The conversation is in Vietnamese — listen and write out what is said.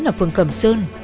ở phần cầm sơn